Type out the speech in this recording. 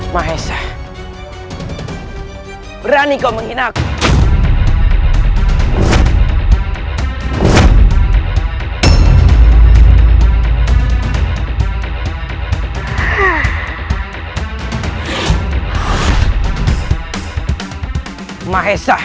saya sudah berhasil menurunkanmu